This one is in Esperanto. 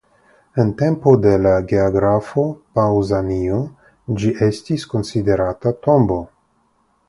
En tempo de la geografo Paŭzanio ĝi estis konsiderata tombo.